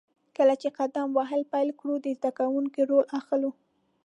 کله چې قدم وهل پیل کړو، د زده کوونکي رول اخلو.